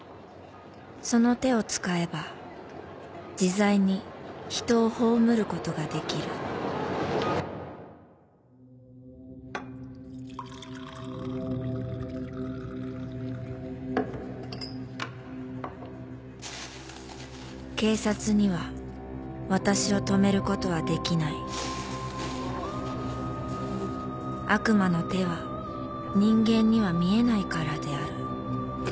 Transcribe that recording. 「その手を使えば自在に人を葬ることができる」「警察には私を止めることはできない」「悪魔の手は人間には見えないからである」